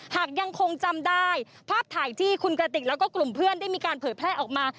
หากยังคงจำได้ภาพถ่ายที่คุณกระติกแล้วก็กลุ่มเพื่อนได้มีการเผยแพร่ออกมา